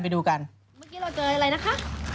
เมื่อกี้เราเจออะไรนะคะ